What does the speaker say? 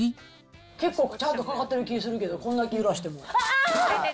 結構ちゃんとかかってる気がするけど、こんだけ揺らしても。